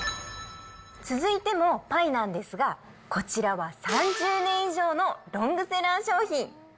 続いてもパイなんですが、こちらは３０年以上のロングセラー商品。